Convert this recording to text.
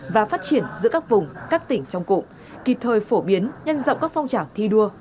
và phát triển giữa các vùng các tỉnh trong cụm kịp thời phổ biến nhân rộng các phong trào thi đua